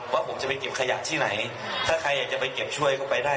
ว่าผมจะไปเก็บขยะที่ไหนถ้าใครอยากจะไปเก็บช่วยก็ไปได้